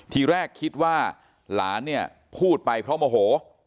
ทีแรกคิดว่าหลานเนี่ยพูดไปเพราะโมโห